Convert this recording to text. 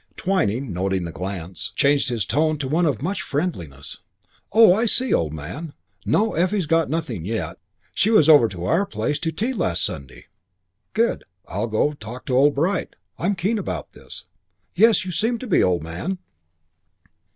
Twyning, noting the glance, changed his tone to one of much friendliness. "Oh, I see, old man. No, Effie's got nothing yet. She was over to our place to tea last Sunday." "Good. I'll go and talk to old Bright. I'm keen about this." "Yes, you seem to be, old man."